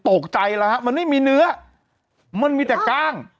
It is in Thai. ตกใจแล้วฮะมันไม่มีเนื้อมันมีแต่กล้าง